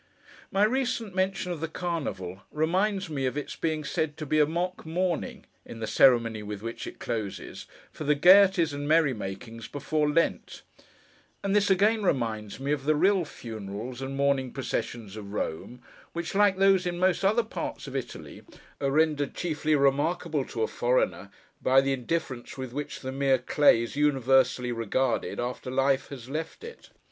My recent mention of the Carnival, reminds me of its being said to be a mock mourning (in the ceremony with which it closes), for the gaieties and merry makings before Lent; and this again reminds me of the real funerals and mourning processions of Rome, which, like those in most other parts of Italy, are rendered chiefly remarkable to a Foreigner, by the indifference with which the mere clay is universally regarded, after life has left it.